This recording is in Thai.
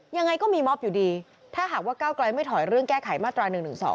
ยังไงก็มีมอบอยู่ดีถ้าหากว่าก้าวไกลไม่ถอยเรื่องแก้ไขมาตรา๑๑๒